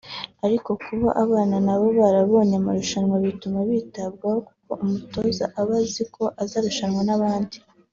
Ariko kuba abana na bo barabonye amarushanwa bituma bitabwaho kuko umutoza aba azi ko azarushanwa n’abandi